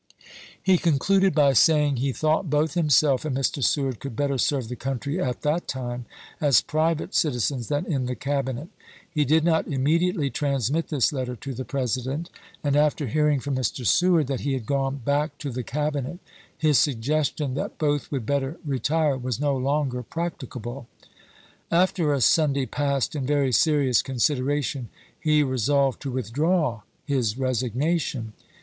He concluded by saying he thought both himself and Mr. Seward could better serve the country at that time as private citizens than in the Cabinet. He did not immediately transmit this letter to the President, and after hearing from Mr. Seward that Chase to Lincoln, Dec. 20, 1862. Warden, " Life of S. P. Chase," p. 510. Dec, 1862. 270 ABRA.HAM LINCOLN ch.\p. xil he had gone back to the Cabinet his suggestion that both would better retire was no longer practicable. After a Sunday passed in very serious considera tion, he resolved to withdraw his resignation.